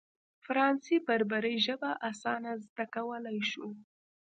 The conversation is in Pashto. فرانسې بربري ژبه اسانه زده کولای شو.